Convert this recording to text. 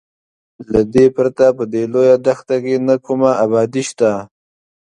له دې پرته په دې لویه دښته کې نه کومه ابادي شته.